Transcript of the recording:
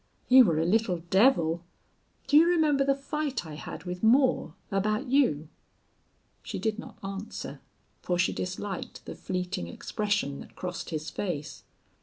"You were a little devil.... Do you remember the fight I had with Moore about you?" She did not answer, for she disliked the fleeting expression that crossed his face.